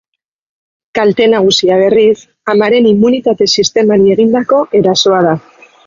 Kalte nagusia, berriz, amaren immunitate-sistemari egindako erasoa da.